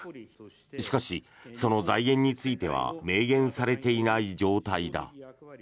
しかし、その財源については明言されていない状態だ。